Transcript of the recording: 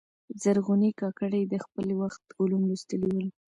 زرغونې کاکړي د خپل وخت علوم لوستلي ول.